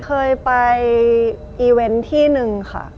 เคยไปอีเวนต์ที่หนึ่งค่ะ